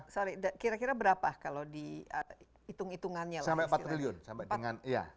sorry kira kira berapa kalau di hitung hitungannya